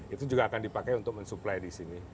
itu juga akan dipakai untuk mensuplai di sini